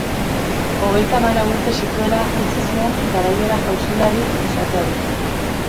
Hogeita hamalau urte zituela utzi zion garaiera-jauzilari izateari.